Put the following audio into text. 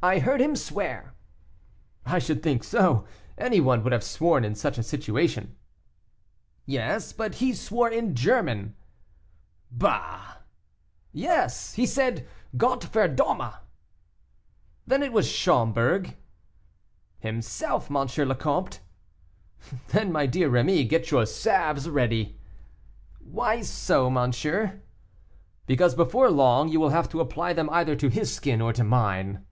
"I heard him swear." "I should think so; any one would have sworn in such a situation." "Yes, but he swore in German." "Bah!" "Yes, he said, 'Gott verdomme.'" "Then it was Schomberg?" "Himself, M. le Comte." "Then, my dear Rémy, get your salves ready." "Why so, monsieur?" "Because, before long, you will have to apply them either to his skin or to mine."